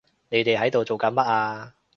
你哋喺度做緊乜啊？